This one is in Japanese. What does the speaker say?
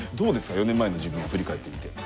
４年前の自分を振り返ってみて。